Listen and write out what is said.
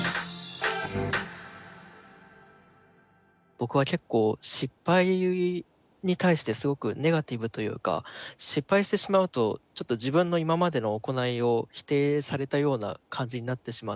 僕は結構失敗に対してすごくネガティブというか失敗してしまうとちょっと自分の今までの行いを否定されたような感じになってしまって。